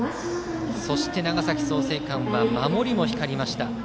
そして長崎・創成館は守りも光りました。